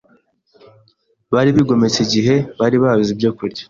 bari bigometse igihe bari babuze ibyokurya;